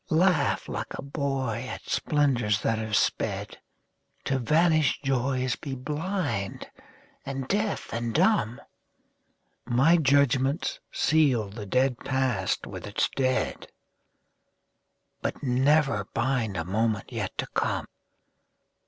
Laugh like a boy at splendors that have sped, To vanished joys be blind and deaf and dumb; My judgments seal the dead past with its dead, But never bind a moment yet to come.